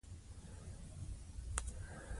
د ستورو په بڼه کې د نړۍ د پراخوالي احساس کېږي.